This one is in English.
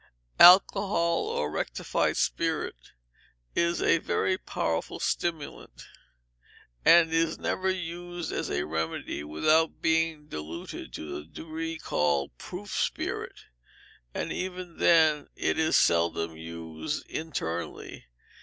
Alcohol, or rectified spirit, is a very powerful stimulant, and is never used as a remedy without being diluted to the degree called proof spirit; and even then it is seldom used internally.